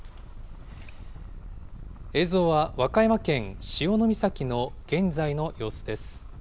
映像は和歌山県潮岬の現在の様子です。